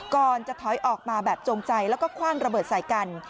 ก่อนจะถอยออกมาแบบจงใจแล้วก็คว่างระเบิดใส่กัน